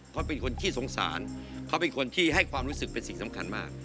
เขาเป็นคนขี้สงสารเขาเป็นคนที่ให้ความรู้สึกเป็นสิ่งสำคัญมาก